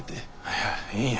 いやええんや。